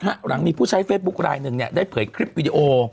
หลังมีผู้ใช้เฟซบุ๊คลายหนึ่งได้เผยคลิปวิดีโอ